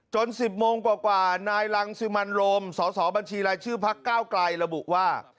๑๐โมงกว่านายรังสิมันโรมสสบัญชีรายชื่อพักเก้าไกลระบุว่า